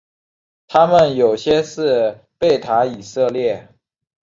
他们有些是贝塔以色列。